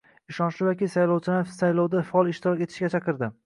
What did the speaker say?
Ishonchli vakil saylovchilarni saylovda faol ishtirok etishga chaqirdi